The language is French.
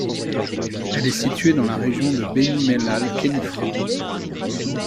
Elle est située dans la région de Béni Mellal-Khénifra.